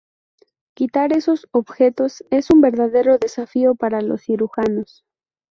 Quitar estos objetos es un verdadero desafío para los cirujanos.